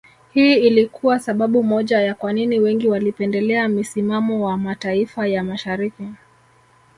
Hii ilikuwa sababu moja ya kwa nini wengi walipendelea misimamo wa mataifa ya Mashariki